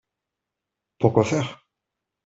Pour quoi faire ?…